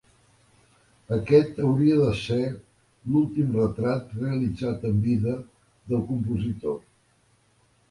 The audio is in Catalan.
Aquest hauria de ser l'últim retrat realitzat en vida del compositor.